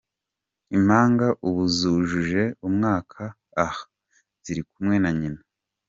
Impanga ubu zujuje umwaka, aha ziri kumwe na nyina.